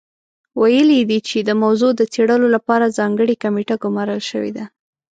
ویلي یې دي چې د موضوع د څېړلو لپاره ځانګړې کمېټه ګمارل شوې ده.